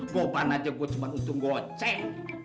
guoban aja gue cuma untung gocek